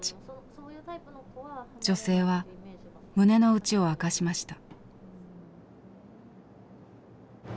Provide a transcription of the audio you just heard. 女性は胸の内を明かしました。